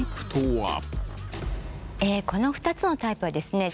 この２つのタイプはですね